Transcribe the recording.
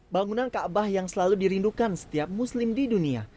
bangunan kaabah yang selalu dirindukan setiap muslim di dunia